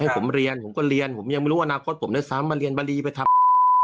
ให้ผมเรียนผมก็เรียนผมยังไม่รู้ว่านาคตผมได้ซ้ำมาเรียนบรีไปทำ